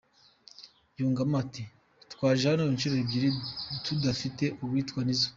Yungamo ati “Twaje hano inshuro ebyiri tudafite uwitwa Nizzo.